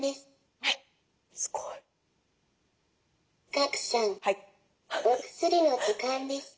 「賀来さんお薬の時間です」。